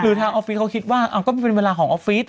ทางออฟฟิศเขาคิดว่าก็เป็นเวลาของออฟฟิศ